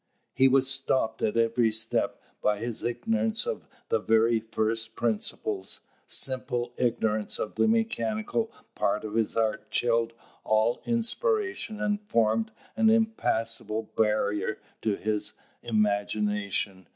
He was stopped at every step by his ignorance of the very first principles: simple ignorance of the mechanical part of his art chilled all inspiration and formed an impassable barrier to his imagination.